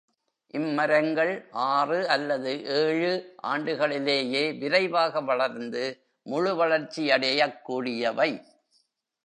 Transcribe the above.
இம் மரங்கள் ஆறு அல்லது ஏழு ஆண்டுகளிலேயே விரைவாக வளர்ந்து முழு வளர்ச்சியடையக் கூடியவை.